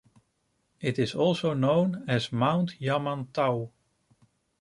It is also known as Mount Yamantaw.